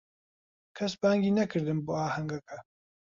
کەس بانگی نەکردم بۆ ئاهەنگەکە.